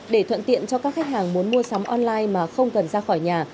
để thuận tiện cho các khách hàng muốn mua sắm online mà không cần ra khỏi nhà